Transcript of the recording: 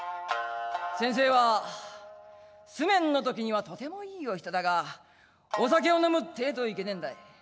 「先生は素面のときにはとてもいいお人だがお酒を飲むってえといけねえんだい。